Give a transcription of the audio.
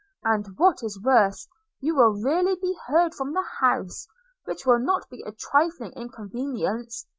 and what is worse, you will really be heard from the house, which will not be a trifling inconvenience.